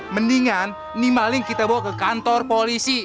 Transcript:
mendingan nih maling kita bawa ke kantor polisi